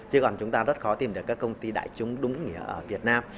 chứ còn chúng ta rất khó tìm được các công ty đại chúng đúng ở việt nam